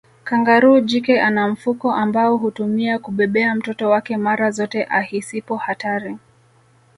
Kangaroo jike ana mfuko ambao hutumia kubebea mtoto wake mara zote ahisipo hatari